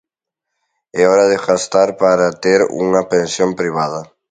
É hora de gastar para ter unha pensión privada.